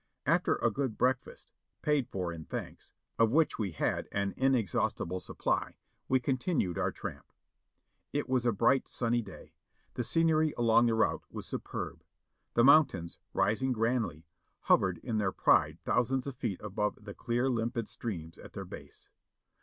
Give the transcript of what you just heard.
After a good breakfast, paid for in thanks, of which we had an inexhaustible supply, we continued our tramp. It was a bright, sunny day ; the scenery along the route was superb ; the moun tains, rising grandly, hovered in their pride thousands of feet above the clear limpid streams at their base.